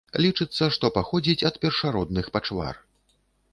Лічыцца, што паходзіць ад першародных пачвар.